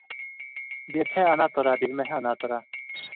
Бирһә — ана тора, бирмәһә — ана тора.